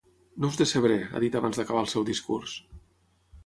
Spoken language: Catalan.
No us decebré, ha dit abans d’acabar el seu discurs.